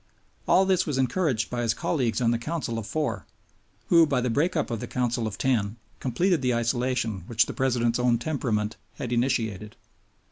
All this was encouraged by his colleagues on the Council of Four, who, by the break up of the Council of Ten, completed the isolation which the President's own temperament had initiated.